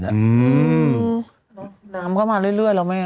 แล้วน้ำก็มาเรื่อยแล้วแม่